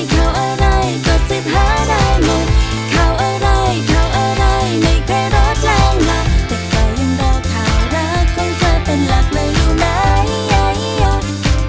จะเข้าอะไรเข้าอะไรก็สิบหาได้หมดเข้าอะไรเข้าอะไรไม่เคยรอดแรงหลักแต่ก็ยังรอข่าวรักของเธอเป็นหลักไม่รู้ไหมจะได้ใจหยุดไป